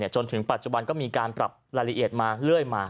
จนถึงปัจจุบันก็มีการปรับรายละเอียดมาเรื่อยมา